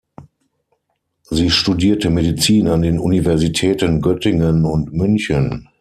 Sie studierte Medizin an den Universitäten Göttingen und München.